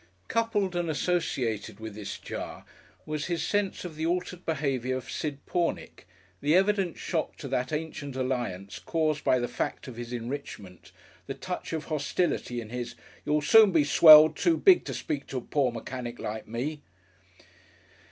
Coupled and associated with this jar was his sense of the altered behaviour of Sid Pornick, the evident shock to that ancient alliance caused by the fact of his enrichment, the touch of hostility in his "You'll soon be swelled too big to speak to a poor mechanic like me."